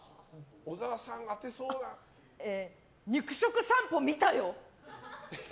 肉食さんぽ見たよ。